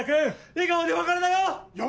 笑顔でお別れだよ！